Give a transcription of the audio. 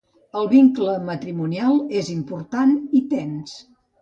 El vincle matrimonial és important i tens.